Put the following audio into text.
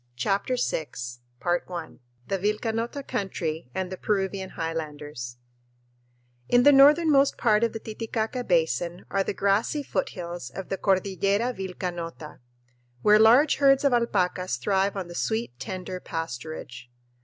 CHAPTER VI The Vilcanota Country and the Peruvian Highlanders In the northernmost part of the Titicaca Basin are the grassy foothills of the Cordillera Vilcanota, where large herds of alpacas thrive on the sweet, tender pasturage.